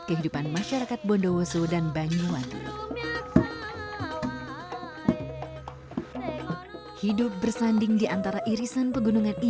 kopi dan tradisi